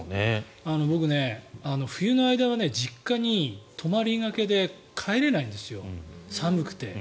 僕、冬の間は実家に泊まりがけで帰れないんですよ、寒くて。